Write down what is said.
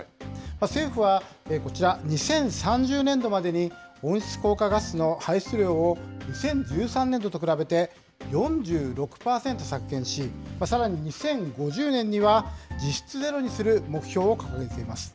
政府はこちら、２０３０年度までに、温室効果ガスの排出量を、２０１３年度と比べて４６％削減し、さらに２０５０年には、実質ゼロにする目標を掲げています。